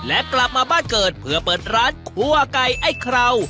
และกลับมาบ้านเกิดเพื่อเปิดร้านคั่วไก่ไอ้คราว